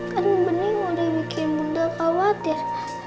kan bening udah bikin muda khawatir